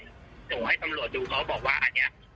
ผมก็ให้ตอนดูเขาบอกว่าอันนี้